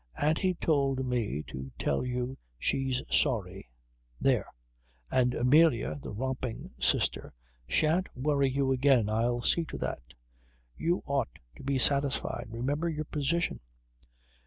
"Auntie told me to tell you she's sorry there! And Amelia (the romping sister) shan't worry you again. I'll see to that. You ought to be satisfied. Remember your position."